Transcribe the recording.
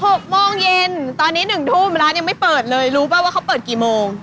หกโมงเย็นตอนนี้หนึ่งทุ่มร้านยังไม่เปิดเลยรู้ป่ะว่าเขาเปิดกี่โมง